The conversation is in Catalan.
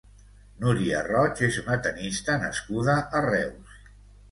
Núria Roig és una tennista nascuda a Reus.